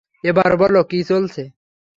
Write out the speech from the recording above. এবার বলো, কি চলেছে?